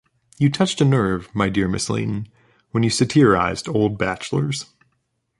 You touched a nerve, my dear Mrs. Layton, when you satirized old bachelors.